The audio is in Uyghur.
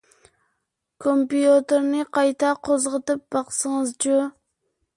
كومپيۇتېرنى قايتا قوزغىتىپ باقسىڭىزچۇ.